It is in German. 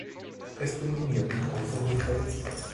Es dominierten große Hotels.